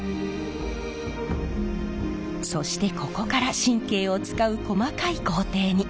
そしてここから神経を遣う細かい工程に。